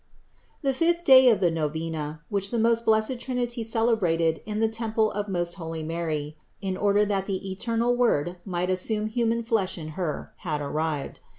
47. The fifth day of the novena, which the most blessed Trinity celebrated in the temple of most holy Mary, in order that the eternal Word might assume human shape in Her, had arrived.